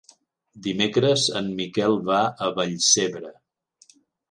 Dimecres en Miquel va a Vallcebre.